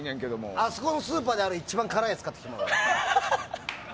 あそこのスーパーにある一番辛いやつ買ってきてもらおう。